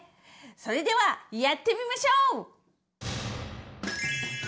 それではやってみましょう！